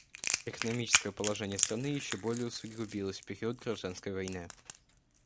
Экономическое положение страны еще более усугубилось в период гражданской войны.